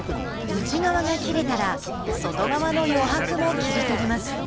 内側が切れたら外側の余白も切り取ります。